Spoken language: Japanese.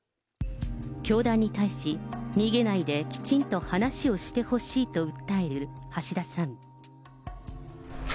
教団に対し、逃げないできちんと話をしてほしいと訴える橋田さん。